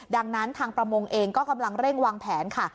ดังนั้นทางประมงเองก็กำลังเร่งวางแผนค่ะ